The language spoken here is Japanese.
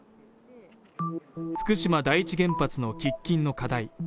福島第１原発の喫緊の課題